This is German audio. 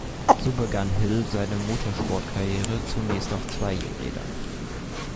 So begann Hill seine Motorsport-Karriere zunächst auf zwei Rädern.